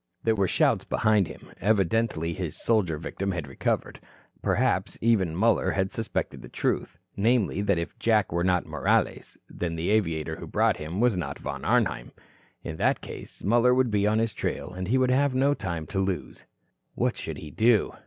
There were shouts behind him. Evidently his soldier victim had recovered. Perhaps, even, Muller had suspected the truth, namely, that if Jack were not Morales the aviator who had brought him was not Von Arnheim. In that case, Muller would be on his trail and he would have no time to lose. What should he do?